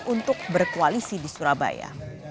untuk berkoalisi di surabaya